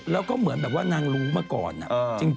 แล้วก็เหมือนแบบว่านางรู้มาก่อน